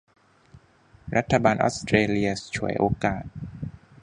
รัฐบาลออสเตรเลียฉวยโอกาส